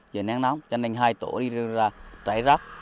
giờ nắng nóng cho nên hai tổ đi rơi ra trải rắc